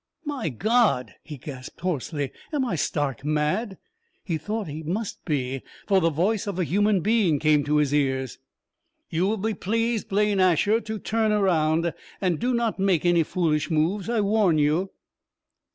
"My God!" he gasped hoarsely, "am I stark mad?" He thought he must be, for the voice of a human being came to his ears. "You will be pleased, Blaine Asher, to turn around! And do not make any foolish moves, I warn you."